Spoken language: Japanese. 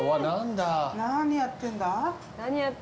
何やってんだ？